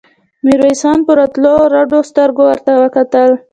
ميرويس خان په راوتلو رډو سترګو ورته کتل.